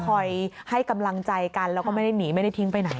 คอยให้กำลังใจกันแล้วก็ไม่ได้หนีไม่ได้ทิ้งไปไหน